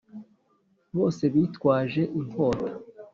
Bose bitwaje inkota